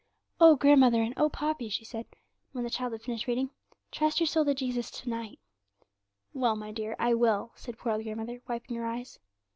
'Oh, grandmother, and oh, Poppy,' she said, when the child had finished reading, 'trust your soul to Jesus to night.' 'Well, my dear, I will,' said poor old grandmother, wiping her eyes.